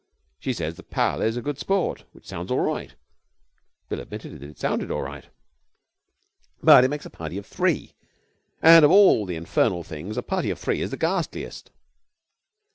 She says the pal is a good sport, which sounds all right ' Bill admitted that it sounded all right. 'But it makes the party three. And of all the infernal things a party of three is the ghastliest.'